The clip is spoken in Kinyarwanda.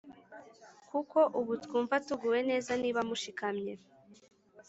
kuko ubu twumva tuguwe neza niba mushikamye